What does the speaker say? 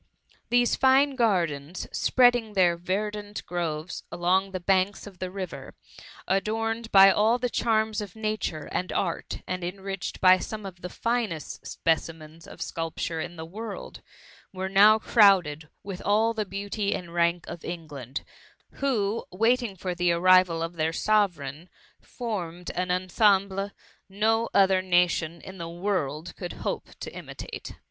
These fine gardens, spreading their verdant groves along the banks of the river, adorned by all the charms of nature and art, and enriched by some of the finest specimens of THE MUMMY. sculpture in the world, were now crowded with all the beauty and rank of England, who, wait ing for the arrival of their Sovereign, formed an ensemble no other nation in the world could hope to imitate.